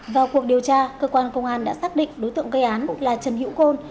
vào cuộc điều tra cơ quan công an đã xác định đối tượng gây án là trần hữu côn